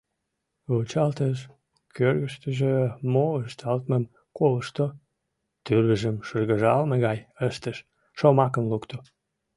Вучалтыш, кӧргыштыжӧ мо ышталтмым колышто, тӱрвыжым шыргыжалме гай ыштыш, шомакым лукто: